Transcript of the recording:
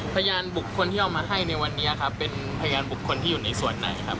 พยานบุคคลที่เอามาให้ในวันนี้ครับเป็นพยานบุคคลที่อยู่ในส่วนไหนครับ